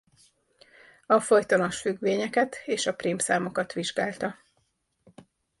A folytonos függvényeket és a prímszámokat vizsgálta.